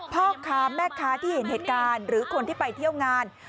พ่อค้าแม่ค้าที่เห็นเหตุการณ์หรือคนที่ไปเที่ยวงาน